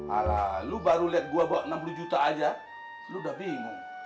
ah lalu baru lihat gue bawa enam puluh juta aja lu udah bingung